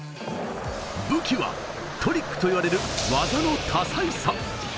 武器はトリックといわれる技の多彩さ。